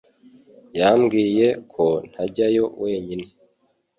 Yambwiye ko ntajyayo wenyine